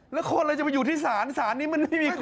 แล้วค้นอะไรจะมาอยู่ที่ศาลศาลนี้มันไม่มีคน